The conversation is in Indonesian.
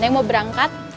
neng mau berangkat